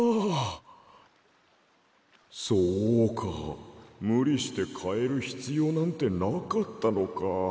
こころのこえそうかむりしてかえるひつようなんてなかったのか。